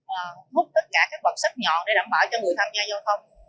và hút tất cả các bọt sắt nhọn để đảm bảo cho người tham gia giao thông